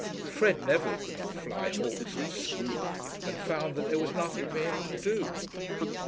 Fred Neville could not fly hawks at Scroope, and found that there was nothing for him to do.